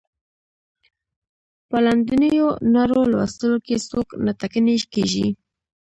په لاندنیو نارو لوستلو کې څوک نه ټکنی کیږي.